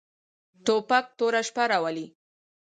توپک توره شپه راولي.